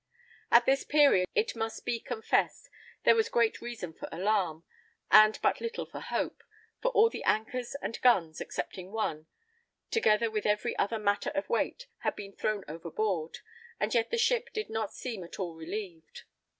At this period, it must be confessed, there was great reason for alarm, and but little for hope; for all the anchors and guns, excepting one, together with every other matter of weight, had been thrown overboard, and yet the ship did not seem at all relieved.